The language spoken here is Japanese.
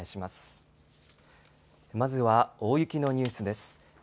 まずは、大雪のニュースです。